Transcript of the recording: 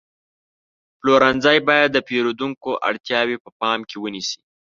پلورنځی باید د پیرودونکو اړتیاوې په پام کې ونیسي.